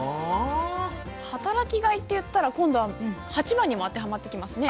「働きがい」っていったら今度は８番にも当てはまってきますね。